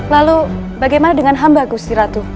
lalu bagaimana dengan hamba gusti ratu